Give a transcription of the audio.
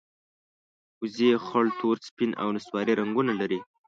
وزې خړ، تور، سپین او نسواري رنګونه لري